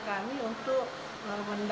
mendapatkan bahan bakunya